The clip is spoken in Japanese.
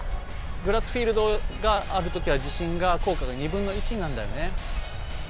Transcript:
グラスフィールドがあるときはじしんが効果が２分の１になるんだよね。